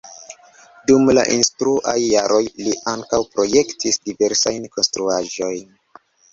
Dum la instruaj jaroj li ankaŭ projektis diversajn konstruaĵojn.